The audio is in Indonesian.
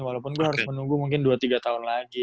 walaupun gue harus menunggu mungkin dua tiga tahun lagi